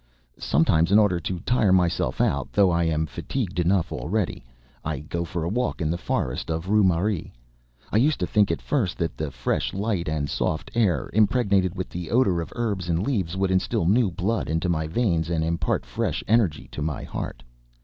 Sometimes, in order to tire myself out, though I am fatigued enough already, I go for a walk in the forest of Roumare. I used to think at first that the fresh light and soft air, impregnated with the odour of herbs and leaves, would instill new blood into my veins and impart fresh energy to my heart.